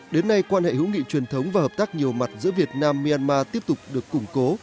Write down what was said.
đến nay quan hệ hữu nghị truyền thống và hợp tác nhiều mặt giữa việt nam myanmar tiếp tục được củng cố